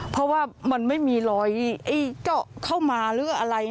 เพราะว่ามันไม่มีรอยเจาะเข้ามาหรืออะไร